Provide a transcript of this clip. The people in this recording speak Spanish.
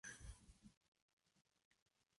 Fue conquistador por excelencia.